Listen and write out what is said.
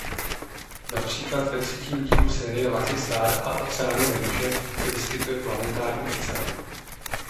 Například ve třetím dílu série "Lucky Starr a oceány Venuše" se vyskytuje planetární oceán.